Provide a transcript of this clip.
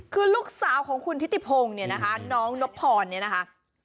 คือลูกสาวของคุณทิติพงศ์เนี่ยนะคะน้องนบพรเนี่ยนะคะ